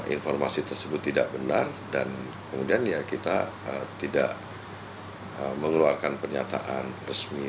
informasi tersebut tidak benar dan kemudian ya kita tidak mengeluarkan pernyataan resmi